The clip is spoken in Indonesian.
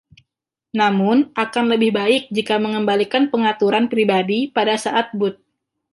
Namun, akan lebih baik jika mengembalikan pengaturan pribadi pada saat boot.